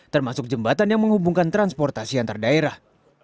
termasuk jembatan yang menghubungkan transportasi antar daerah